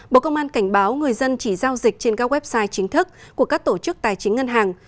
bộ công an cảnh báo người dân chỉ giao dịch trên các website chính thức của các tổ chức tài chính ngân hàng